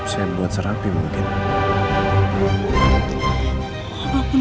saya buat serapi mungkin